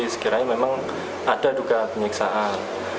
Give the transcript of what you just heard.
sekiranya memang ada juga penyeksaan